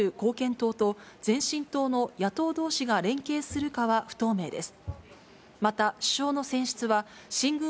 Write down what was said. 党と前進党の野党どうしが連携するかは不透明です。